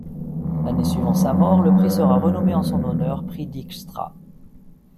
L'année suivant sa mort, le prix sera renommé en son honneur prix Dijkstra.